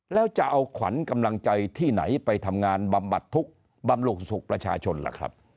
แล้วจะเอาขวัญกำลังใจที่ไหนไปทำงานบำบัดทุกข์บำรุงสุขประชาชนล่ะครับ